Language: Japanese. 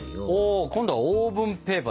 今度はオーブンペーパーですね。